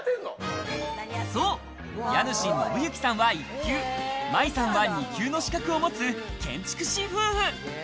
そう、家主・信行さんは１級、五月さんは２級の資格を持つ建築士夫婦。